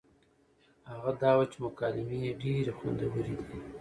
هغه دا وه چې مکالمې يې ډېرې خوندورې دي